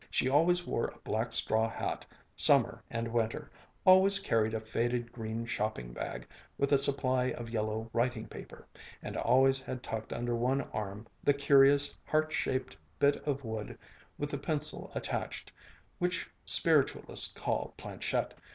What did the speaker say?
She always wore a black straw hat, summer and winter, always carried a faded green shopping bag, with a supply of yellow writing paper, and always had tucked under one arm the curious, heart shaped bit of wood, with the pencil attached, which spiritualists call "planchette."